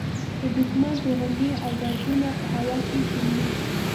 د دوښمن توغندي او ډرونونه په هوا کې شنډېږي.